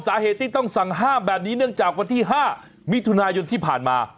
สาเหตุที่ต้องสั่งห้ามแบบนี้เนื่องจากวันที่๕มิถุนายนที่ผ่านมา